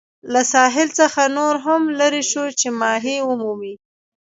له ساحل څخه نور هم لیري شوو چې ماهي ومومو.